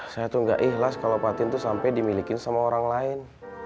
saya tuh gak ikhlas kalau patin itu sampai dimiliki sama orang lain